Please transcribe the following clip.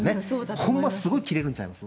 ほんまはすごい切れるんちゃいます？